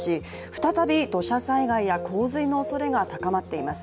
再び土砂災害や洪水のおそれが高まっています